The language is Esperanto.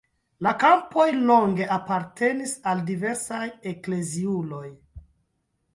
La kampoj longe apartenis al diversaj ekleziuloj.